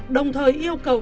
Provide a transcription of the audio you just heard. đồng thời yêu cầu